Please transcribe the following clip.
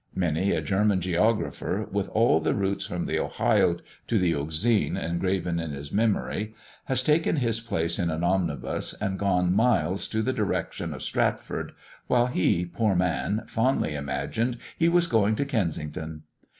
Many a German geographer, with all the routes from the Ohio to the Euxine engraven in his memory, has taken his place in an omnibus, and gone miles in the direction of Stratford, while he, poor man, fondly imagined he was going to Kensington.